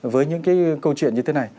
với những cái câu chuyện như thế này